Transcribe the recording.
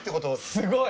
すごい。